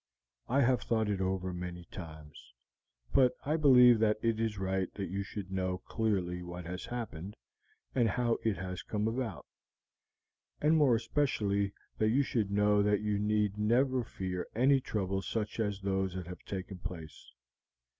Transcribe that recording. I have thought it over many times, but I feel that it is right that you should know clearly what has happened, and how it has come about, and more especially that you should know that you need never fear any troubles such as those that have taken place.